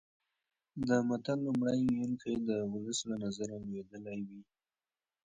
د متل لومړی ویونکی د ولس له نظره لوېدلی وي